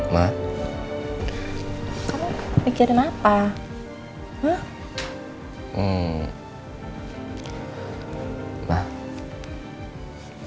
mereka sudah selesai